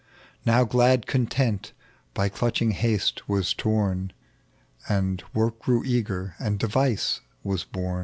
Now glad Content by clutching Haste was torn, And Work grew eager, and Device was born.